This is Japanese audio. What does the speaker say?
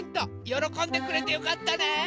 よろこんでくれてよかったね！ねぇ！